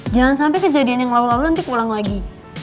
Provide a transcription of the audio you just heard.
jangan sampai kejadian yang lalu lalu nanti pulang lagi